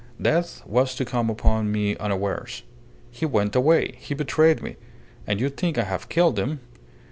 Death was to come upon me unawares. He went away! He betrayed me. And you think I have killed him!